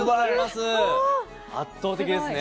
圧倒的ですね。